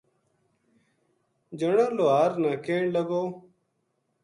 جنو لوہار نا کہن لگو